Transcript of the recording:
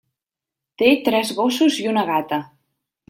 Té tres gossos i una gata.